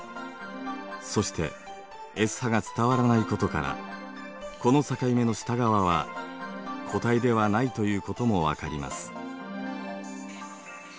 そしてＳ波が伝わらないことからこの境目の下側は固体ではないということも分かります。